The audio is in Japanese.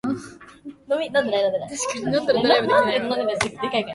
僕らは話した